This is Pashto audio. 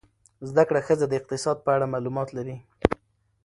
زده کړه ښځه د اقتصاد په اړه معلومات لري.